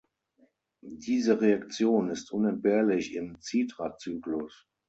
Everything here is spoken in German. Diese Reaktion ist unentbehrlich im Citratzyklus.